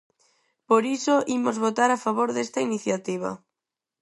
Por iso imos votar a favor desta iniciativa.